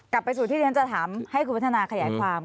กลับไปสู่ที่ที่ฉันจะถามให้คุณพัฒนาขยายความ